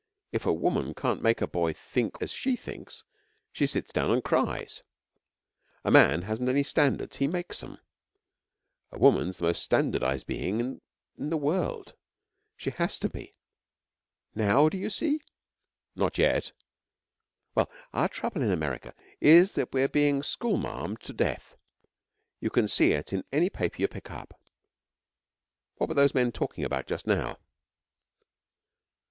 If a woman can't make a boy think as she thinks, she sits down and cries. A man hasn't any standards. He makes 'em. A woman's the most standardised being in the world. She has to be. Now d'you see?' 'Not yet.' 'Well, our trouble in America is that we're being school marmed to death. You can see it in any paper you pick up. What were those men talking about just now?'